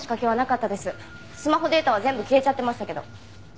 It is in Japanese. スマホデータは全部消えちゃってましたけど。